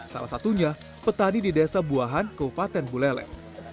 salah satunya petani di desa buahan kewupaten bulelek